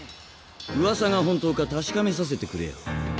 うわさが本当か確かめさせてくれよ。